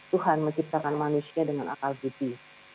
tuhan menciptakan manusia dengan akal budi